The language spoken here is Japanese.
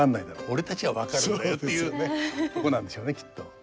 俺たちは分かるんだよ」っていうねとこなんでしょうねきっと。